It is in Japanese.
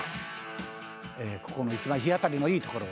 「ここの一番日当たりのいい所でですね